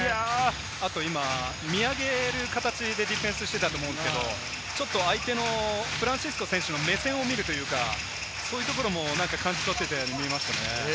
今、見上げる形でディフェンスしてたと思うんですけれども、相手のフランシスコ選手の目線を見るというか、そういうところも感じ取っていたように見えましたね。